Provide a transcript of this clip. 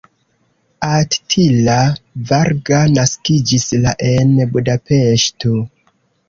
Attila Varga naskiĝis la en Budapeŝto.